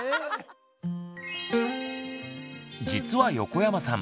実は横山さん